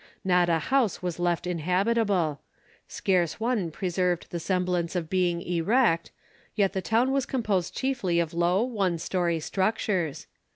Not a house was left inhabitable; scarce one preserved the semblance of being erect; yet the town was composed chiefly of low, one story structures.